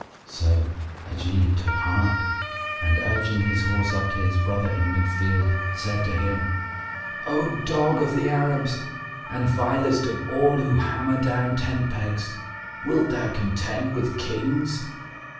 So Ajib took heart and urging his horse up to his brother in mid field, said to him, "O dog of the Arabs and vilest of all who hammer down tent pegs, wilt thou contend with Kings?